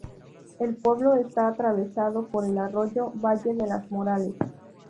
El pueblo está atravesado por el arroyo "Valle las Morales".